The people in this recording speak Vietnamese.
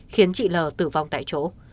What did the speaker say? khiến chị lờ tử vong tại chỗ